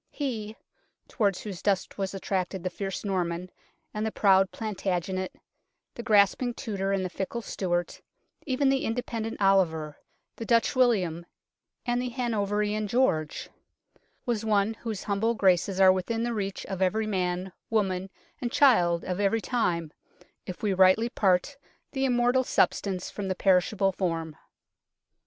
He towards whose dust was attracted the fierce Norman and the proud Plantagenet, the grasping Tudor and the fickle Stuart, even the independent Oliver, the SHRINE OF EDWARD THE CONFESSOR 43 Dutch William and the Hanoverian George was one whose humble graces are within the reach of every man, woman, and child of every time, if we rightly part the immortal substance from the perishable form."